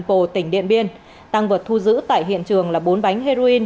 tại huyện nầm tỉnh điện biên tăng vật thu giữ tại hiện trường là bốn bánh heroin